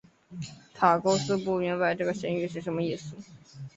埃勾斯不明白这个神谕是什么意思。